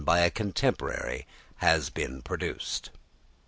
by a contemporary has been produced."